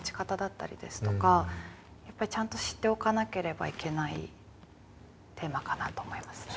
やっぱりちゃんと知っておかなければいけないテーマかなと思いますね。